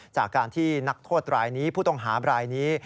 จากการที่นักโทษรายนี้ผู้ต้องหาบรายนี้